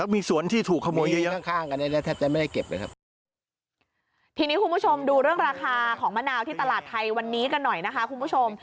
มีสวนที่ถูกขโมยเยอะทีนี้คุณผู้ชมดูเรื่องราคาของมะนาวที่ตลาดไทยวันนี้กันหน่อยนะคะคุณผู้ชม